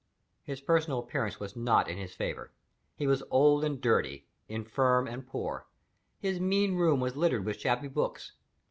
His personal appearance was not in his favor he was old and dirty, infirm and poor. His mean room was littered with shabby books.